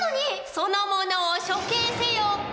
その者を処刑せよ。